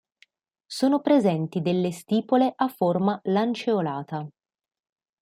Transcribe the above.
Sono presenti delle stipole a forma lanceolata.